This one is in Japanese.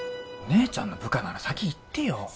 お姉ちゃんの部下なら先言ってよ